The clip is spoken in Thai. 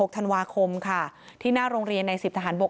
๑๖ธันวาคมที่หน้าโรงเรียนในสิบทหารบก